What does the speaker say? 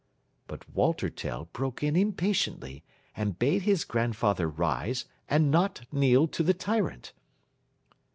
But Walter Tell broke in impatiently, and bade his grandfather rise, and not kneel to the tyrant.